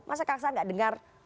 masa kang saar enggak dengar